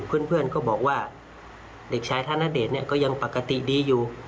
เพื่อนก็บอกว่าเด็กชายธนเดชน์เนี่ยก็ยังปกติดีอยู่